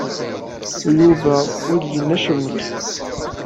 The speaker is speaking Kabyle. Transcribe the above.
Yuba ur d-yenni acemmek.